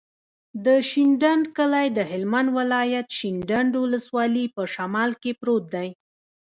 د شینډنډ کلی د هلمند ولایت، شینډنډ ولسوالي په شمال کې پروت دی.